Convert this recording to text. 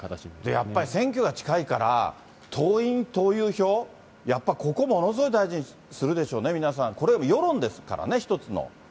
やっぱり選挙が近いから、党員・党友票、やっぱここ、ものすごい大事にするでしょうね、皆さん、これ世論ですからね、一つの。